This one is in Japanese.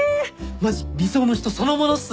マジ理想の人そのものっす！